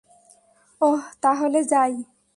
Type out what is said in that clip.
ওহ, তাহলে যাই।